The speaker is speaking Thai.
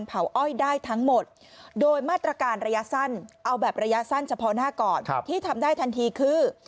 เอาแบบระยะสั้นเฉพาะหน้าก่อนที่ทำได้ทันทีคือ